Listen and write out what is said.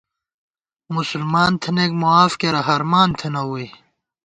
مسلمان تھنَئیک معاف کېرہ، ہرمان تھنہ ووئی